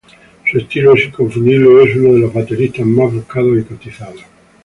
Su estilo es inconfundible y es uno de los bateristas más buscados y cotizados.